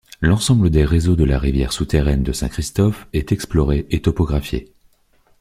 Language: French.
L’ensemble des réseaux de la rivière souterraine de Saint-Christophe est exploré et topographié.